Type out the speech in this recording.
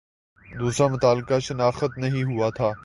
دوسرا متعلقہ شناخت نہیں ہوا تھا